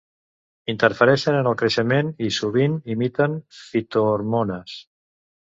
Interfereixen en el creixement i sovint imiten fitohormones.